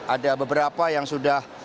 ada beberapa yang sudah